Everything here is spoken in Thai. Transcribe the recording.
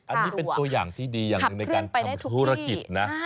อันนี้เป็นตัวอย่างที่ดีอย่างหนึ่งในการทำธุรกิจนะ